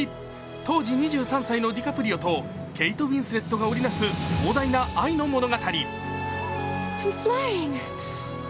当時２３歳のディカプリオとケイト・ウィンスレットが織りなす壮大な愛の物語。